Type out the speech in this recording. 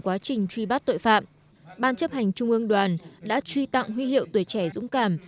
quá trình truy bắt tội phạm ban chấp hành trung ương đoàn đã truy tặng huy hiệu tuổi trẻ dũng cảm